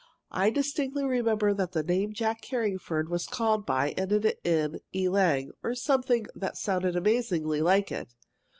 I distinctly remember that the name Jack Carringford was called by ended in e lang, or something that sounded amazingly like it.